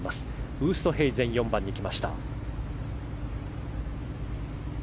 ウーストヘイゼン４番に来ました。